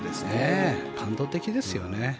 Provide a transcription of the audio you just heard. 感動的ですよね。